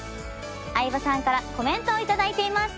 相葉さんからコメントを頂いています。